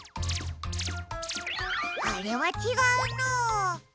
あれはちがうな。